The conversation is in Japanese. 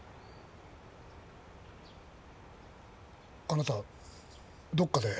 あなたどっかで？